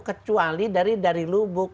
kecuali dari lubuk